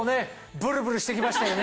ブルブルして来ましたよね。